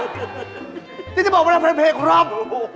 วิทย์จะบอกประมานไทยเพจครับ